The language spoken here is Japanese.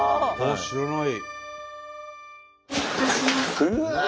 知らない。